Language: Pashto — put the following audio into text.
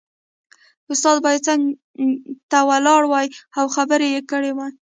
استاد باید څنګ ته ولاړ وای او خبرې یې کړې وای